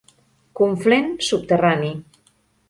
Conflent Subterrani.